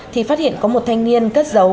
thì phát hiện có một thanh niên cất giấu